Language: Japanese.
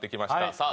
さあ